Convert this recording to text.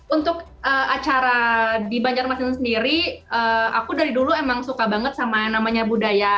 untuk acara di banjarmasin sendiri aku dari dulu emang suka banget sama namanya budaya